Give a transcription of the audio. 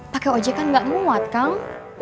pake ojekan gak nguat kang